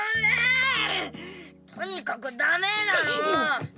とにかくダメらの！